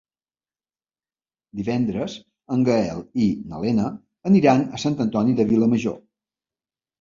Divendres en Gaël i na Lena aniran a Sant Antoni de Vilamajor.